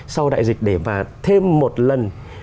sau đại dịch để thêm một lần